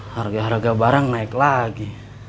harga harga barang naik lagi